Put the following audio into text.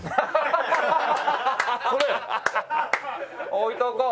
置いとこう！